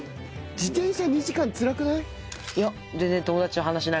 自転車２時間つらくない？いや。